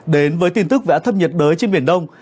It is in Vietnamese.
đến với tin tức về áp thấp nhiệt đới trên biển đông